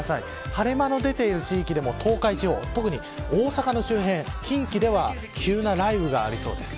晴れ間の出ている地域でも東海地方特に大阪の周辺近畿では急な雷雨がありそうです。